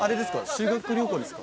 修学旅行ですか？